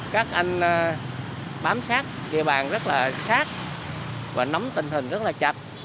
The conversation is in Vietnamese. các anh bám sát địa bàn rất là sát và nắm tình hình rất là chặt